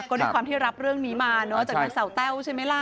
ก็ได้ความที่รับเรื่องนี้มาจากเมืองเสาแต้วใช่ไหมล่ะ